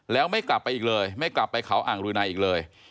แล้วไม่กลับไปอีกเลยไม่กลับไปเขาอ่างรืนัยอีกเลย